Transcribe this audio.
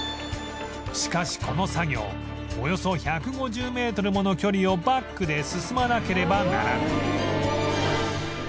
しかしこの作業およそ１５０メートルもの距離をバックで進まなければならない